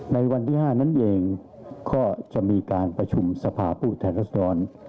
ในวันที่๕นั้นเองก็จะมีการประชุมสภาผู้แทนรัศดร